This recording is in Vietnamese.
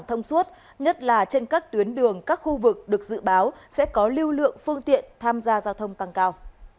thông suốt nhất là trên các tuyến đường các khu vực được dự báo sẽ có lưu lượng phương tiện tham gia giao thông tăng cao